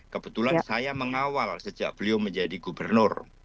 kebetulan saya mengawal sejak beliau menjadi gubernur